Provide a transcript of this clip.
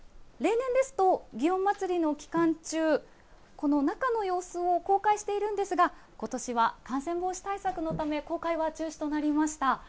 例年ですと、祇園祭の期間中、この中の様子を公開しているんですが、ことしは感染防止対策のため、公開は中止となりました。